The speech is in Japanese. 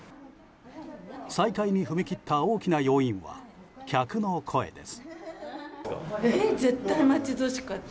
再開に踏み切った大きな要因は客の声です。